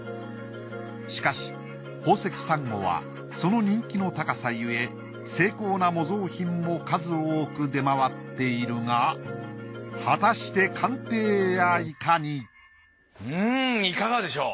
しかし宝石サンゴはその人気の高さゆえ精巧な模造品も数多く出回っているがうんいかがでしょう？